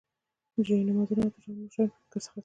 جاینمازونه، عطر او نور شیان په کې خرڅېدل.